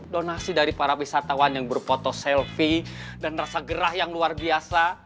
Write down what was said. donasi dari para wisatawan yang berfoto selfie dan rasa gerah yang luar biasa